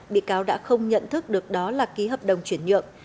bị cáo đã không nhận thức được đó là ký hợp đồng chuyển nhượng